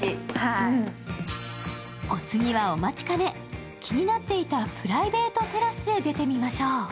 お次はお待ちかね、気になっていたプライベートテラスへ出てみましょう。